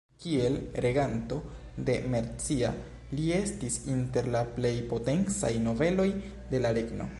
Kiel reganto de Mercia, li estis inter la plej potencaj nobeloj de la regno.